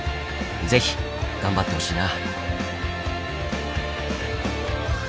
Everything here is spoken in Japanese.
ぜひ頑張ってほしいな。